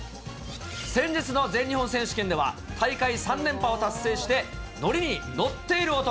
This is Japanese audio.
先日の全日本選手権では大会３連覇を達成して、乗りに乗っている男。